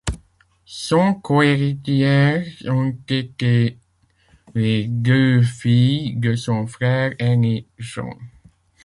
Son co-héritières ont été les deux filles de son frère aîné John.